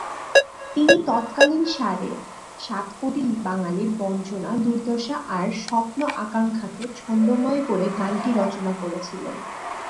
তিনি তৎকালীন সাড়ে সাত কোটি বাঙালির বঞ্চনা-দুর্দশা আর স্বপ্ন-আকাঙ্ক্ষাকে ছন্দময় করে গানটি রচনা করেছিলেন।